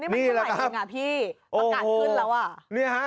นี่มันก็ใหม่เพียงอ่ะพี่ประกาศขึ้นแล้วอ่ะ